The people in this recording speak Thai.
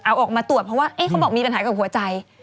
เอาออกมาตรวจเพราะว่าเขาบอกมีปัญหากับหัวใจ